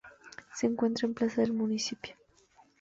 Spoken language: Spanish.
Se encuentra en Plaza del Municipio.